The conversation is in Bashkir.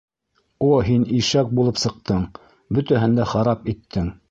О һин ишәк булып сыҡтың, бөтәһен дә харап иттең!